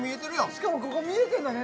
しかもここ見えてんだね